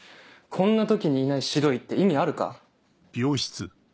こんな時にいない指導医って意味あるか？